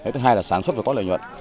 thứ hai là sản xuất và có lợi nhuận